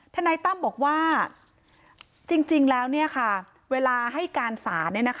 นายตั้มบอกว่าจริงแล้วเวลาให้การศาล